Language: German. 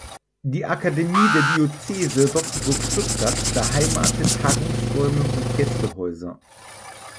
Die Akademie der Diözese Rottenburg-Stuttgart beheimatet Tagungsräume und Gästehäuser.